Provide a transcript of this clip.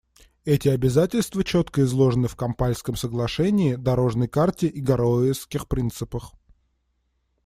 Эти обязательства четко изложены в Кампальском соглашении, «дорожной карте» и «Гароуэсских принципах».